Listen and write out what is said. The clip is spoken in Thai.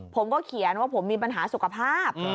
ผมก็เขียนว่าผมมีปัญหาสุขภาพ